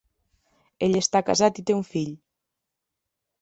Ell està casat i té un fill.